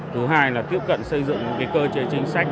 thứ hai là tiếp cận xây dựng những cái cơ chế chính sách